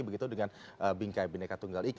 begitu dengan bingkai bineka tunggal ika